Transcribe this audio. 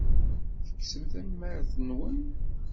Tekksem tamart-nwen.